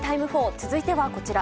続いてはこちら。